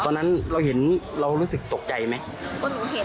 เป็นก็นั้นเราเห็นเรารู้สึกตกใจไหมอืม